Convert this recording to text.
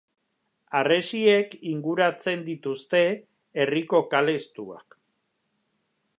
Harresiek inguratzen dituzte herriko kale estuak.